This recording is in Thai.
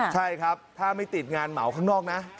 ใช่ครับถ้าไม่ติดงานเหมาข้างนอกนะ